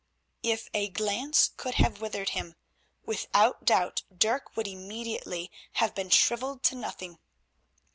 If a glance could have withered him, without doubt Dirk would immediately have been shrivelled to nothing.